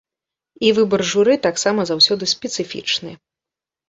І выбар журы таксама заўсёды спецыфічны.